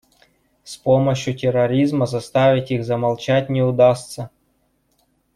С помощью терроризма заставить их замолчать не удастся.